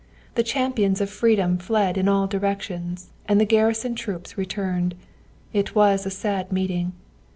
The champions of freedom fled in all directions, and the garrison troops returned. It was a sad meeting.